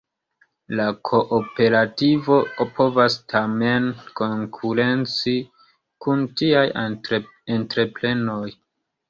La kooperativo povas tamen konkurenci kun tiaj entreprenoj.